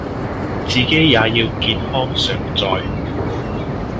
自己也要健康常在